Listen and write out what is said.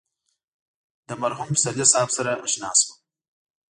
له مرحوم پسرلي صاحب سره اشنا شوم.